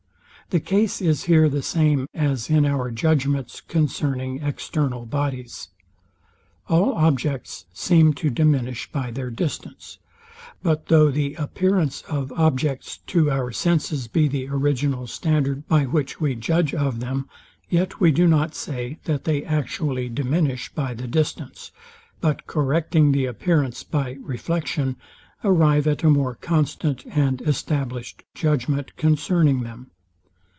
The case is here the same as in our judgments concerning external bodies. All objects seem to diminish by their distance: But though the appearance of objects to our senses be the original standard, by which we judge of them, yet we do not say, that they actually diminish by the distance; but correcting the appearance by reflection, arrive at a more constant and established judgment concerning them.